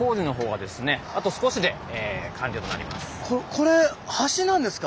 これ橋なんですか？